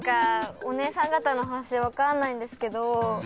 お姉さん方の話分からないんですけど。